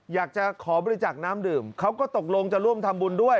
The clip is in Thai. อยากจะขอบริจักษ์น้ำดื่มเขาก็ตกลงจะร่วมทำบุญด้วย